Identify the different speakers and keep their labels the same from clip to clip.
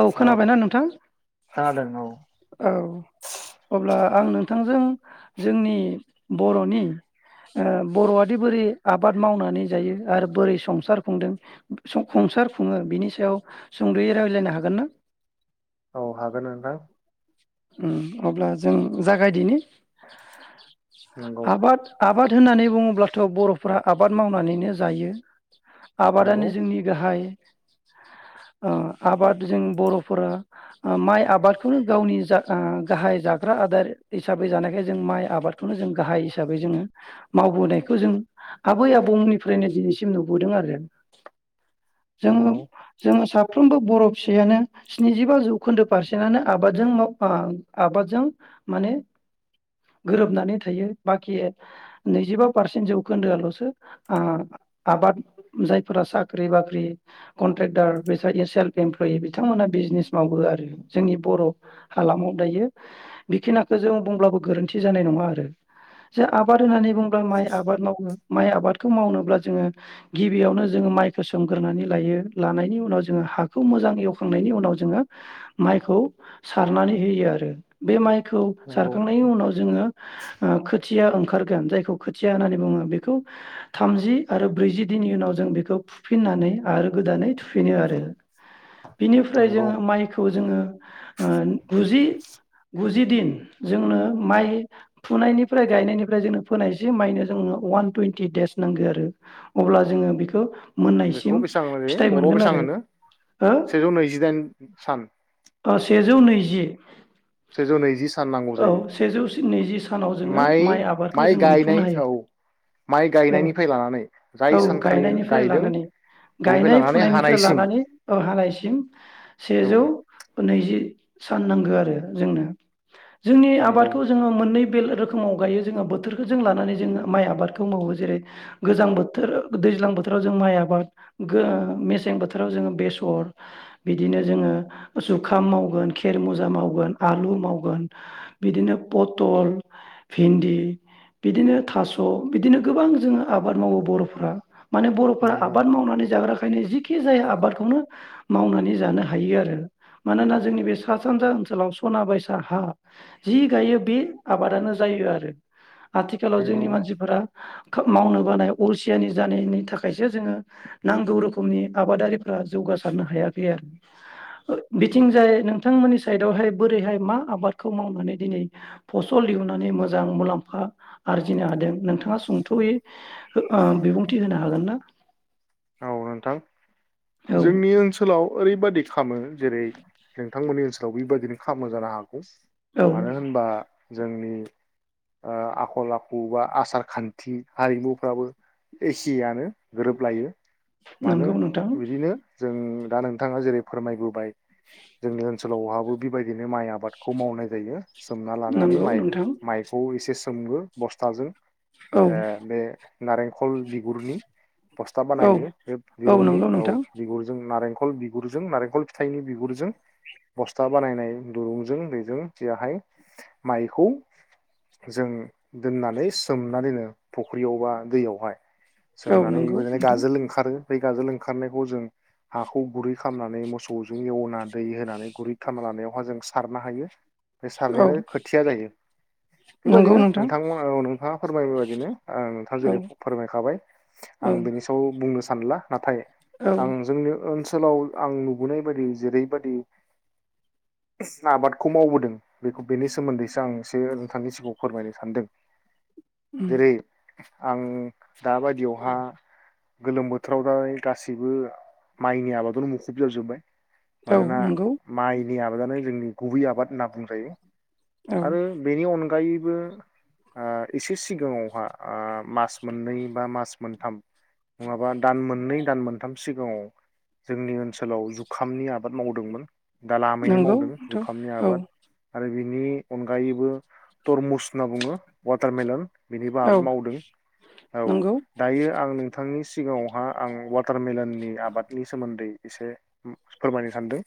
Speaker 1: औ खोनाबायना नोंथां? औ अब्ला आं नोंथांजों जोंनि बर'नि ओ बर'आादि बोरै आबाद मावनानै जायो आरो बोरै संसार खुंदों सं-संसार खुङो बिनि सायाव सुंद'यै रायलायनो हागोन ना?
Speaker 2: औ हागोन नोंथां।
Speaker 1: ओम अब्ला जों जागायदिनि
Speaker 2: नंगौ
Speaker 1: आबाद आबाद होननानै बुङोब्लाथ' बर'फोरा आबाद मावनानैनो जायो। आबादानो
Speaker 2: नंगौ
Speaker 1: जोंनि गाहाय ओ आबाद जों बर'फोरा ओ माइ आबादखौनो गावनि जा ओ गाहाय जाग्रा आदार हिसाबै जानायखाय जों माइ आबादखौनो जों गाहाय हिसाबै जोङो मावबोनायखौ जों आबै आबौनिफ्रायनो दिनैसिम नुबोदों आरो। जोङो
Speaker 2: नंगौ
Speaker 1: जोङो सा फ्रोमबो बर' फिसायानो स्निजिबा जौखोन्दो पारसेन्टआनो आबादजों माव ओ आबादजों माने गोरोबनानै थायो। बाखि नैजिबा पारसेन्ट जौखोन्दोआल'सो ओ आबाद जायफोरा साख्रि बाख्रि कन्ट्रेक्टार बेस सेल्फ एमप्लयि बिथांमोनहा बिजनेस मावो आरो जोंनि बर' हालामाव दायो बिखिनिखौ जों बुंब्लाबो गोरोन्थि जानाय नङा आरो। जे आबाद होननानै बुङोल्बा माइ आबाद मावो माइ आबादखौ मावनोब्ला जोङो गिबियावनो जोङो माइखौ सोमग्रोनानै लायो, लानायनि उनाव जोङो हाखौ मोजां एवखांनायनि उनाव जोङो माइखौ सारनानै होयो आरो। बे माइ खौ
Speaker 2: नंगौ
Speaker 1: सारखांनायनि उनाव जोङो ओ खोथि थिया ओंखारगोन जायखौ खोथिया होननानै बुङो बेखौ थामजि आरो ब्रैजि दिननि उनाव जों बेखौ फुफिननानै आरो गोदानै थुफिनो आरो। बिनिफ्राय
Speaker 2: नंगौ
Speaker 1: जोङो माइखौ जोङो [unintelligible] ओ गुजि गुजि दिन जोंनो माइ फुनायनिफ्राय गायनायनिफ्राय जोंनो फोनायसिम माइनो जोंनो वान टुन्टि देस नांगौ आरो अब्ला जोङो बेखौ मोननायसिम
Speaker 2: बेखौ बेसेबां होननाय
Speaker 1: फिथाइ
Speaker 2: जायो बरआव
Speaker 1: मोनगोन
Speaker 2: बेसेबां
Speaker 1: आरो
Speaker 2: होनो सेजौ नैजिदाइन सान
Speaker 1: ओ सेजौ नैजि
Speaker 2: सेजौ नैजि सान नांगौ
Speaker 1: औ
Speaker 2: जायो
Speaker 1: सेजौ स नैजि सानाव जोङो माइ आबादखौ
Speaker 2: माइ
Speaker 1: जों
Speaker 2: गायनाय
Speaker 1: मोनफुंनो हायो
Speaker 2: औ माइ
Speaker 1: औ
Speaker 2: गायनायनि फ्राय लानानै जाय
Speaker 1: औ
Speaker 2: सानखालि
Speaker 1: गायनायनिफ्राय
Speaker 2: गायदों
Speaker 1: लानानै
Speaker 2: बेनिफ्राय
Speaker 1: गायनाय
Speaker 2: लानानै
Speaker 1: फुनायनिफ्राय
Speaker 2: हानायसिम
Speaker 1: लानानै औ हानायसिम
Speaker 2: औ
Speaker 1: सेजौ नैजि सान नांगो आरो जोंनो जोंनि
Speaker 2: नंगौ
Speaker 1: आबादखौ जोङो मोननै बे रोखोमाव गायो जोङो बोथोरखौ जों लानानै जोङो माइ आबादखौ मावो जेरै गोजां बोथोर दैज्लां बोथोराव जों माइ आबाद गो मेसें बोथोराव जोङो बेसर बिदिनो जोङो जुखाम मावो वगोन खेर मुजा मावगोन आलु मावगोन बिदिनो पटल भिन्दि बिदिनो थास बिदिनो गोबां जोङो आबाद मावो बरफ्रा माने बरफोरा
Speaker 2: नंगौ
Speaker 1: आबाद मावनानै जाग्राखायनो जि खि जाया आबादखौनो मावनानै जानो हायो आरो मानोना जोंनि बे सा सानजा ओनसोलाव सना बायसा हा जि गायो बे आबादानो जायो आरो आथि- खालाव
Speaker 2: नंगौ
Speaker 1: जोंनि मानसिफोरा खोब मावनो बानाय अलसियानि जानायनि थाखायसो जोङो नांगौ रोखोमनि आबादारिफ्रा जौगासारनो हायाखै आरो बिथिं जाय नोंथमोननि साइदआवहाय बोरैहाय मा आबादखौ मावनानै दिनै फसल दिहुननानै मोजां मुलाम्फा आरजिनो हादों नोंथाङा सुंथयै बिबुंथि होनो हागोन ना
Speaker 2: औ नोंथां
Speaker 1: औ
Speaker 2: जोंनि ओनसोलाव ओरैबादि खामो जेरै नोंथांमोननि ओनसोलाव बेबायदिनो खामो जानो हागौ
Speaker 1: औ
Speaker 2: मानो होनबा जोंनि ओ आखल आखु बा आसार खान्थि हारिमुफ्राबो एसेयानो गोरोबलायो मानो
Speaker 1: नंगौ नोंथां
Speaker 2: बिदिनो जों दा नोंथाङा जेरै फोरमायबोबाय जोंनि ओनसोलाव बहा बेबायदिनो माइ आबादखौ मावनाय जायो सोमना लानानै
Speaker 1: नंगौ
Speaker 2: माइ‌
Speaker 1: नोंथां
Speaker 2: माइखौ एसे सोमो बस्थाजों
Speaker 1: औ
Speaker 2: ओ बे नारेंखल बिगुरनि बस्था
Speaker 1: औ
Speaker 2: बानायो
Speaker 1: औ
Speaker 2: दिरुंनि
Speaker 1: नंगौ
Speaker 2: औ
Speaker 1: नोंथां
Speaker 2: बिगुरजों नारेंखल बिगुरजों नारेंखल फिथाइनि बिगुरजों बस्था बानायनाय दुरुंजों बेजों बेवहाय माइखौ जों दोननानै सोमनानै दोनो फुख्रियाव बा दैयावहाय
Speaker 1: औ
Speaker 2: सोमनानै
Speaker 1: नंगौ
Speaker 2: बेबायदिनो
Speaker 1: नोंथां
Speaker 2: गाजो लों आरो बे गाजोलों ओंखारनायखौ जों हाखौ गुरै खामनानै मोसौ जों एवना दै होनानै गुरै खाना लानायावहा जों सारनो हायो। बे
Speaker 1: औ
Speaker 2: सारनायानो खोथिया जायो
Speaker 1: नंगौ
Speaker 2: बेबायदिनो
Speaker 1: नोंथां
Speaker 2: नोंथांमोन औ नोंथाङा फोरमायबो बादिनो ओ नोंथाङा
Speaker 1: औ
Speaker 2: जेरै फोरमायखाबाय
Speaker 1: औ
Speaker 2: आं बेनि सायाव बुंनो सानला। नाथाय
Speaker 1: औ
Speaker 2: आं जोंनि ओनसो सोलाव आं नुबोनाय बायदि जेरैबायाददि आबादखौ मावबोदों बे बेनि सोमोन्दैसो आं एसे नोंथांनि सिगाङाव फोरमायनो सानदों।
Speaker 1: उम
Speaker 2: जेरै आं दा बादिआवहा गोलोम बो बथोराव दा गासैबो माइनि आबादावनो मुखुब जाजोब्बाय।
Speaker 1: औ
Speaker 2: मानोना
Speaker 1: नंगौ
Speaker 2: माइ नि आबादानो जोंनि गुबै आबाद होनना बुंजायो।
Speaker 1: औ
Speaker 2: आरो बेनि अनगायै बो ओ एसे सिगाङावहा ओ मास मोननै बा मास मोनथाम नङाबा दान मोननै दान मोनथाम सिगाङाव जोंनि ओनसोलाव जुखामनि आबाद मावदोंमोन। दा लामैनो
Speaker 1: नंगौ
Speaker 2: मावदों
Speaker 1: नोंथां
Speaker 2: जुखामनि
Speaker 1: औ
Speaker 2: आबाद आरो बे नि अनगायैबो तरमुस होनना बुङो वाटारमेलन बेनिबो
Speaker 1: औ
Speaker 2: आबाद मावदों औ
Speaker 1: नंगौ
Speaker 2: दायो आं नोंथांनि सि सिगाङाव हा आं वाटारमेलननि आबादनि सोमोन्दै एसे फोरमायनो सानदों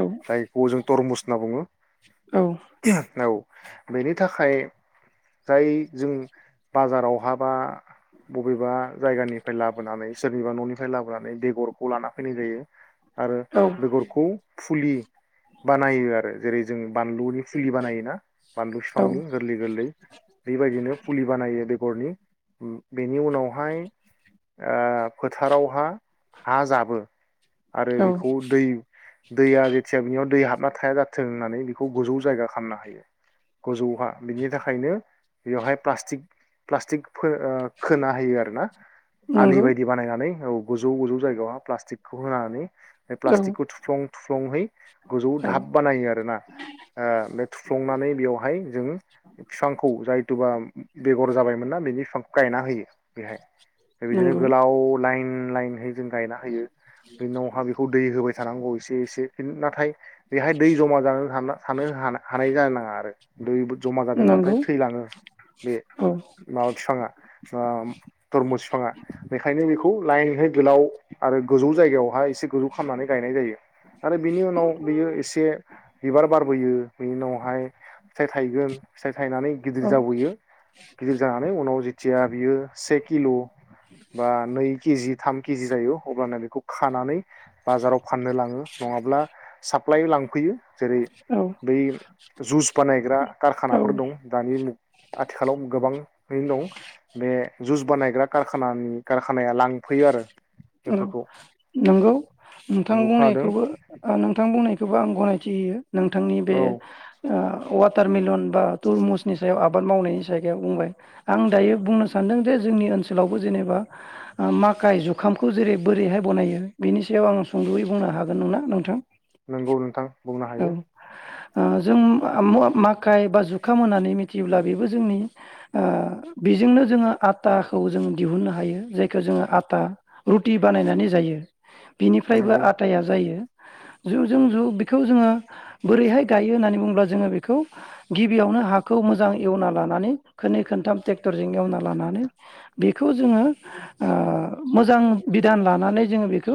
Speaker 1: औ
Speaker 2: जायखौ जों तरमुस होनना बुङो।
Speaker 1: औ
Speaker 2: औ। बेनि थाखाय जाय जों बाजारावहा बा बबेबा जायगानिफ्राय लाब बोनानै सोरनिबा न'निफ्राय लाबोनानै बेगरखौ लाना फैनाय जायो। आरो
Speaker 1: औ
Speaker 2: बेगरखौ फुलि बानायो आरो जेरै जों बानलुनि फुलि बानायोना बानलु
Speaker 1: औ
Speaker 2: बिफांनि गोरलै गोरलै बेबायदिनो फुलि बानायो बे गरनि बेनि उनावहाय ओ। फोथारावहा हा जाबो आरो
Speaker 1: औ
Speaker 2: बेखौ दै दैया जेथिया बिनियाव दै हाब नाथाया जाथों होननानै बेखौ गोजौ जायगा खालामना हायो गोजौ हा बिनि थाखायनो बेवहाय प्लास्टिक प्लास्टिक खो ओ खोना होयो आर ना। आलि
Speaker 1: नंगौ
Speaker 2: बायदि बानायनानै औ गोजौ गोजौ जायगायाव प्लास्टिकखौ होनानै बे
Speaker 1: औ
Speaker 2: प्लास्टिकखौ थुफ्लं थुफ्लंहै गोजौ
Speaker 1: औ
Speaker 2: धाब बानायो आरोना आ बे थुफ्लंनानै बेवहाय जों फिफांखौ जाय एथुबा बेगर जाबायमोनना बिनि बिफांखौ गायना होयो बेहाय। बे बिदिनो
Speaker 1: नंगौ
Speaker 2: गोलाव लाइन लाइन जों गायना होयो बे उनावहा बेखौ दै होबाय थानांगौ एसे एसे। हिन नाथाय बेहाय दै जमा जानानै हाना थानो हाना हानाय जानाङा आरो दैबो जमा
Speaker 1: नंगौ
Speaker 2: जादोंबाथाय थैलाङो बे
Speaker 1: औ
Speaker 2: मा बिफाङा आ तरमुस बेखायनो बेखौ लाइनहाय गोलाव आरो गोजौ जायगायावहाय एसे गोजौ खालामनानै गायनाय जायो आरो बिनि उनाव बियो एसे बिबार बारबोयो बेनि उनावहाय फिथाइ थायगोन फिथाय थायनानै गिदिर
Speaker 1: औ
Speaker 2: जाबोयो गिदिर जानानै उनाव जि थिया बियो से किल बा नै केजि थाम केजि जायो अब्लानो बेखौ खानानै बाजाराव फाननो लाङो नङाब्ला साप्लाइ लांफैयो जेरै
Speaker 1: औ
Speaker 2: बै जुस बानायग्रा
Speaker 1: औ
Speaker 2: कारखानाफोर दं दानिु मुग आथिखालाव गोबाङैनो दं बे जुस बानायग्रा कारखानानि कारखानाया लांफैयो आरो
Speaker 1: औ
Speaker 2: बेफोरखौ
Speaker 1: नोंगौ नोंथां
Speaker 2: नोंगौ खोनादों
Speaker 1: बुंनायखौबो ओ नोंथां बुंनाय थेवबो आं गनायथि होयो नोंथांनि बे
Speaker 2: औ
Speaker 1: ओ वाटारमिलन बा तुरमुसनि सायाव आब आबाद मावनायनि सायगायाव बुंबाय आं दायो बुंनो सानदों जे जोंनि ओनसोलावबो जेनेबा ओ माखाइ जु खामखौ जेरै बोरैहाय बनायो बिनि सायाव आं सुंदयै बुंनो हागोन नंना नोंथां?
Speaker 2: नोंगौ नोंथां बुंनो
Speaker 1: औ
Speaker 2: हायो।
Speaker 1: ओ जों [unintelligible] माखाय बा जुखाम होननानै मिथियोब्ला बेबो जोंनि ओ बेजोंनो जोङो आटाखौ जों दिहुननो हायो जायखौ जोङो आटा रुटि बानायनानै जायो। बिनिफ्रायबो
Speaker 2: नंगौ
Speaker 1: आटाया जायो। जु जों जु बेखौ जोङो बोरैहाय गायो होननानै बुङोब्ला जोङो बेखौ गिबियावनो हाखौ मोजां एवना लानानै खोननै खोनथाम टेक्टरजों एवना लानानै बेखौ जोङो ओ मोजां बिधान लानानै जोङो बेखौ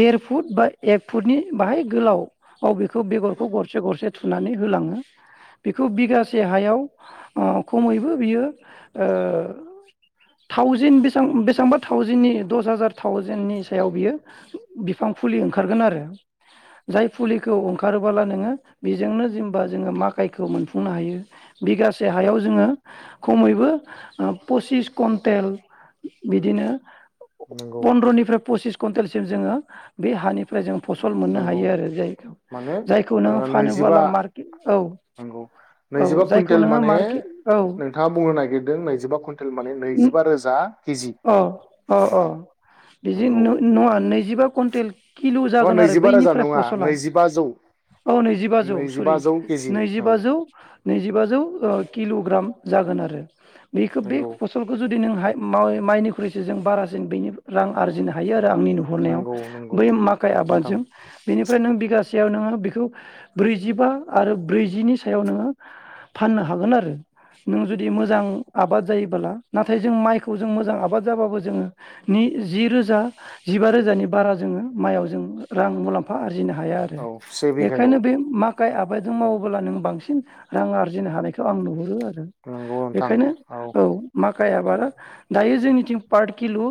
Speaker 1: देर फुट बा एक फुटनि बाहाय गोलावाव बेखौ बेगरखौ गरसे गरसे थुनानै होलाङो बेखौ बिगासे हायाव अ खमैबो बियो ओ थावजेन बेसां बेसांबा थावजेननि दस हाजार थावजेननि सायाव बियो बिफां फुलि ओंखारगोन आरो जाय फुलिखौ ओंखारबोला नोङो बेजोंनो जेनबा जोङो माकाइखौ मोनफुंनो हायो बिगासे हायाव जोङो खमैबो पसिस कुन्टेल बिदिनो
Speaker 2: नंगौ
Speaker 1: पन्द्रनिफ्राय पसिस कुन्टेल सिम जोङो बे हानिफ्राय जों फसल मोननो
Speaker 2: नंगौ
Speaker 1: हायो आरो जायखौ
Speaker 2: माने
Speaker 1: जायखौ नोङो
Speaker 2: ओ नैजिबा
Speaker 1: फानोबोला मार्केट औ
Speaker 2: नंगौ नैजिबा
Speaker 1: औ जायखौ
Speaker 2: कुन्टेल
Speaker 1: नोङो
Speaker 2: माने
Speaker 1: मार्केट औ
Speaker 2: नोंथाङा बुंनो नागिरदों नैजिबा कुन्टेल माने नैजिबा रोजा के
Speaker 1: अ अ अ बिदि
Speaker 2: नंगौ
Speaker 1: न नङा नैजिबा कुन्टेल कि [unintelligible]
Speaker 2: अ
Speaker 1: जागोन आरो
Speaker 2: नैजिबा रोजा
Speaker 1: बैनिफ्राय
Speaker 2: नङा
Speaker 1: फसला
Speaker 2: नैजिबाजौ
Speaker 1: औ नैजिबाजौ सरि
Speaker 2: नैजिबाजौ केजि औ
Speaker 1: नैजिबाजौ नैजिबाजौ ओ किलग्राम जागोन आरो बेखो बे
Speaker 2: नंगौ
Speaker 1: फसलखौ जुद नोंहाय मा [unintelligible] माइनिख्रुइसो जों बारासिन बैनि रां आरजिनो हायो आ [unintelligible] आंनि नुहरनायाव
Speaker 2: नंगौ नंगौ
Speaker 1: बै माखाइ
Speaker 2: नोंथां
Speaker 1: आबादजों बेनिफ्राय नों बिगास सेयाव नोङो बेखौ ब्रैजिबा आरो ब्रैजिनि सायाव नोङो फाननो हागोन आरो नों जुदि मोजां आबाद जायोबोला नाथाय जों माइखौ जों मोजां आबाद जाबाबो जोङो नि जि रोजा जिबा रोजानि बारा जोङो माइयाव जों रां मुलाम्फा आ जिनो हाया आरो
Speaker 2: औ से बिघायाव
Speaker 1: बेखायनो बे मा काय आबादजों मावोबोला नों बांसिन रां आरजिनो हानायखौ आं नुहुरो आरो
Speaker 2: नंगौ नोंथां
Speaker 1: बेखायनो औ मा माइ आबादा दायो जोंनिथिं पार किल ओ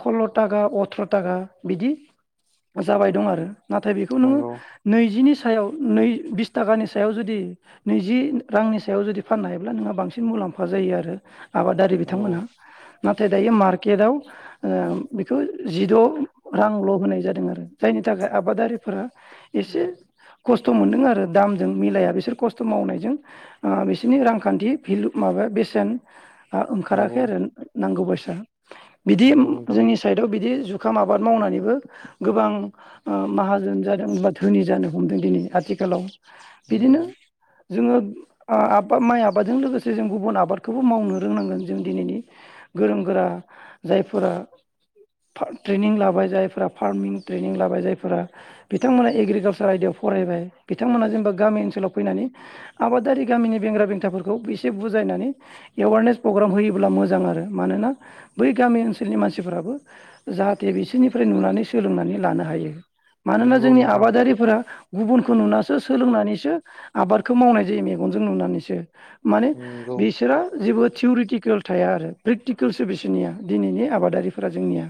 Speaker 1: खल्ल थाखा अथ्र थाखा बिदि जाबाय दं आरो नाथाय बेखौ नोङो
Speaker 2: नंगौ
Speaker 1: नैजिनि सा सायाव नै बिस थाखानि सायाव जुदि नैजि रांनि सायाव जुदि फाननो हायोब्ला नोंहा बांसिन मुलाम्फा जायो आरो आबादारि
Speaker 2: नंगौ
Speaker 1: बिथांमोनहा नाथाय दायो मार्केटआव ओ बेखौ जिद रांल होनाय जादों आरो जायनि थाखाय आबादारिफोरा एसे खस्थ मोनदों आरो दामजों मिलाया बिसोर खस्थ मावनायजों ओ बिसोरनि रांखान्थि भिलु माबा बेसेन आ ओंखाराखै
Speaker 2: नंगौ
Speaker 1: आरो नांगौबायसा बिदि
Speaker 2: नंगौ नोंथां
Speaker 1: जोंनि साइदआव बिदि जुखाम आबाद मावनानैबो गोबां ओ माहाजोन जादों बा धोनि जानो हमदों दिनै आथिखालाव बिदिनो
Speaker 2: नंगौ
Speaker 1: जोंङो ओ माइ आबादजों लोगोसे जों गुबुन आबादखौबो मावनो रोंनांगोन जों दिनैनि गोरों गोरा जायफोरा ट्रेनिं लाबाय जायफोरा फार्मिं ट्रेनिं लाबाय जायफोरा बिथांमोना एग्रिकालसार आयदायाव फरायबाय बिथांमोना जेनेबा गामि ओनसोलाव फैनानै आबादारि गामिनि बेंग्रा बेंथाफोरखौ एसे बुजायनानै एवारनेस प्रग्राम होयोब्ला मोजां मोजां आरो मानोना बै गामि ओनसोलनि मानसिफोराबो जाहाथे बिसोरनिफ्राय नुनानै सोलोंनानै लानो हायो। मानोना
Speaker 2: नंगौ
Speaker 1: जोंनि
Speaker 2: नोंथां
Speaker 1: आबादारिफोरा गुबुनखौ नुनासो सोलोंनानैसो आबादखौ मावनाय जायो मेगनजों नुनानैसो। माने
Speaker 2: नंगौ
Speaker 1: बिसोरा जेबो थिउरिटिकेल थाया आरो प्रेकटिकेलसो बेसनिया दिनैनि आबादारिफोरा जोंनिया।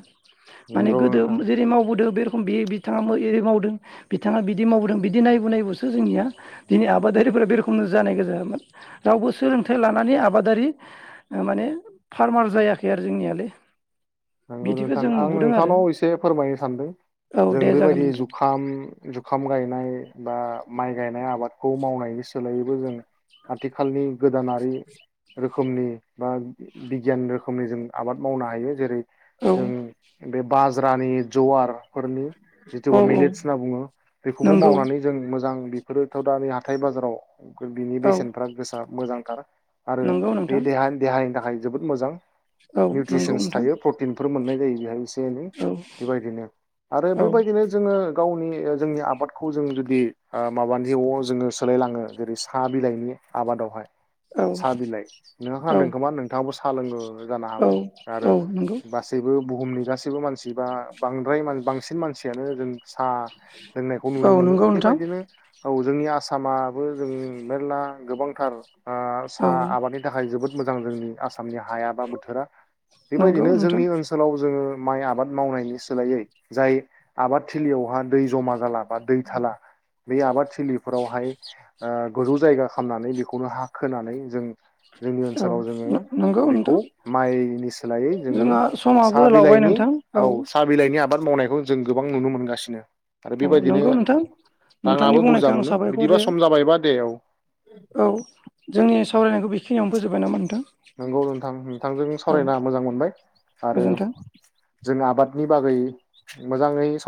Speaker 1: माने
Speaker 2: नंगौ
Speaker 1: गोदो
Speaker 2: नोंथां
Speaker 1: जेरै मावबोदों बे बे बिथाङा एरै मावदों बिथाङा बिदि मावदों बिदि नायबो नायबोसो जोंनिया दिनै आबादारिफोरा बे रोखोमनो जानाय गोजामोन रावबो सोलोंथाइ लानानै आबादारि माने फार्मार जायाखै आरो जोंनियालाय।
Speaker 2: नंगौ
Speaker 1: बिदिखौ
Speaker 2: नोंथां
Speaker 1: जों
Speaker 2: आं
Speaker 1: नुबोदों आरो
Speaker 2: नोंथांनाव एसे फोरमायनो सानदों
Speaker 1: औ
Speaker 2: जों
Speaker 1: दे जागोन
Speaker 2: बेबायदि
Speaker 1: नोंथां
Speaker 2: जुखाम जुखाम गायनाय बा माइ गायनाय आबादखौ मावनायनि सोलायैबो जों आथिखालनि गोदानारि रो रोखोमनि बा बिगियान रोखोमनि जों आबाद मावनो हायो जेरै
Speaker 1: औ
Speaker 2: जों बे बाज्रानि जवार फोरनि जिथु
Speaker 1: औ
Speaker 2: बा
Speaker 1: औ
Speaker 2: मिलेट्स होनना बुङो बेखौबो
Speaker 1: नंगौ
Speaker 2: मावनानै जों मोजां बेफोरोथ' दा बै हाथाय बाजाराव बिनि
Speaker 1: औ
Speaker 2: बेसेनफ्रा गोसा मोजां। आरो आरो
Speaker 1: नंगौ
Speaker 2: बे
Speaker 1: नोंथां
Speaker 2: देहानि देहानि थाखाय जोबोद मोजां
Speaker 1: औ नंगौ नोंथां।
Speaker 2: दिनफोर मोननाय जायो बेहाय बेनि
Speaker 1: औ
Speaker 2: बेबायदिनो आरो
Speaker 1: औ
Speaker 2: बेबायदिनो जोङो गावनि जोंनि आबादखौ जों जुदि ओ माबानि अ जोङो सोलायलाङो जेरै साहा बिलाइनि आबादावहाय
Speaker 1: औ
Speaker 2: सा बिलाइ नोंहा
Speaker 1: औ
Speaker 2: नंखाय नंदोंबा नोंथाङाबो सा सा लोङो जानो
Speaker 1: औ
Speaker 2: हागौ आरो
Speaker 1: औ नंगौ
Speaker 2: गासैबो बुहुमनि गासैबो मानसि बा बांद्राय बांसिन मानसियानो जों साहा लोंनायखौ
Speaker 1: औ
Speaker 2: नुनो मोनो
Speaker 1: नंगौ नोंथां
Speaker 2: बेबायदिनो औ जोंनि आसामाबो जों मेरला गोबांथार ओ
Speaker 1: औ
Speaker 2: साहा आबादनि थाखाय जोबोद मोज मोजां जोंनि आसा आसामनि हाया बा बोथोरा
Speaker 1: नंगौ
Speaker 2: बेबायदिनो
Speaker 1: नोंथां
Speaker 2: जोंनि ओनसोलाव जोङो माइ आबाद मावनायनि सोलाइयै जाय आबाद थिलियावहा दै जमा जाला बा दै थाला बे आबाद थिलिफोरावहाय ओ गोजौ जायगा खालामामनानै बेखौनो हा खोनानै जों जोंनि
Speaker 1: औ
Speaker 2: ओनसोलाव जोङो
Speaker 1: नंगौ
Speaker 2: बेखौ
Speaker 1: नोंथां
Speaker 2: माइनि सोलायै जोङो
Speaker 1: जोंहा समाबो लावबाय नोंथां औ
Speaker 2: बाद मावनायखौ जों गोबां नुनो मोनगासिनो आरो
Speaker 1: औ
Speaker 2: बेबायदिनो
Speaker 1: नंगौ नोंथां
Speaker 2: राङाबो
Speaker 1: नोंथांनि
Speaker 2: बुरजा
Speaker 1: बुंनायखौ आं
Speaker 2: मोनो बिदिबा
Speaker 1: साबायखर
Speaker 2: सम जाबायबा दे औ
Speaker 1: होयो औ जोंनि सावरायनायखौ बेखिनियावनो फोजोबबाय नामा नोंथां?
Speaker 2: नोंगौ नोंथां नोंथांजों
Speaker 1: औ
Speaker 2: सावरायना मोजां मोनबाय आरो
Speaker 1: गोजोन्थों
Speaker 2: जों आबादनि बागै मोजाङै साव